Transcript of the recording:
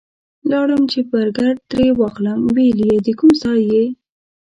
لاړم چې برګر ترې واخلم ویل یې د کوم ځای یې؟